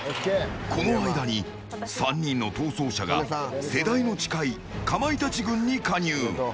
この間に、３人の逃走者が世代の近いかまいたち軍に加入。